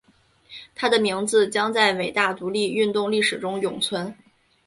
他的名字将在伟大独立运动历史中永存。